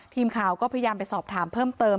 ทีมข่าวก็พยายามไปสอบถามเพิ่มเติม